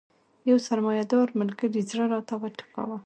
یو سرمایه دار ملګري زړه راته وټکاوه.